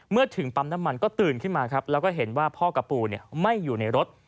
ถึงปั๊มน้ำมันก็ตื่นขึ้นมาครับแล้วก็เห็นว่าพ่อกับปู่ไม่อยู่ในรถ